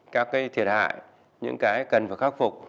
các cái thiệt hại những cái cần phải khắc phục